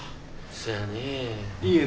そやねえ。